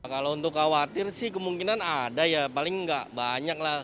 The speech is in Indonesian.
kalau untuk khawatir sih kemungkinan ada ya paling nggak banyak lah